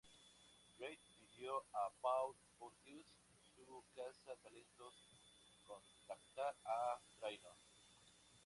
Reid pidió a Paul Pontius, su caza talentos, contactar a Trainor.